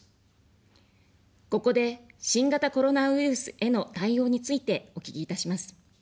ここで、新型コロナウイルスへの対応についてお聞きいたします。